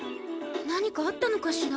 何かあったのかしら？